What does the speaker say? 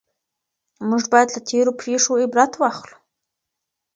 موږ بايد له تېرو پېښو عبرت واخلو.